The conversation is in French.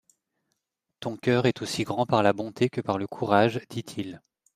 Ton coeur est aussi grand par la bonté que par le courage, dit-il.